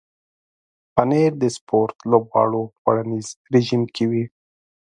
پنېر د سپورت لوبغاړو خوړنیز رژیم کې وي.